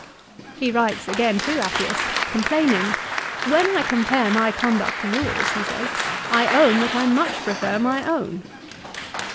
He writes again to Appius complaining. " When I compare my conduct to yours," he says, "I own that I much prefer my own."